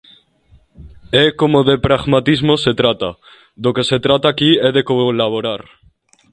E, como de pragmatismo se trata, do que se trata aquí é de colaborar.